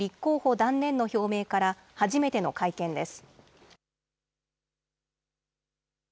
断念の表明から初めての会見です。